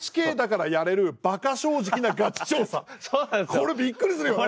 これびっくりするよね。